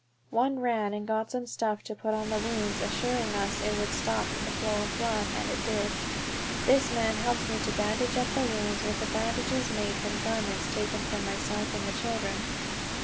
One ran and got some stuff to put in the wounds, assuring us it would stop the flow of blood, and it did. This man helped me to bandage up the wounds with bandages made from garments taken from myself and the children.